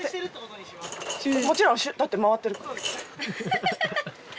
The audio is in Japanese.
もちろんだって回ってるからアハハハハ！